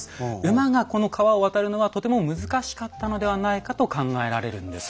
馬がこの川を渡るのはとても難しかったのではないかと考えられるんです。